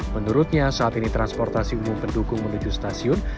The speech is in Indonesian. menurutnya saat ini transportasi umum pendukung menuju stasiun